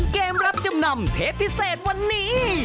เกมรับจำนำเทปพิเศษวันนี้